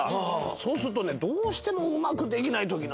そうするとねどうしてもうまくできないときなんていうのは。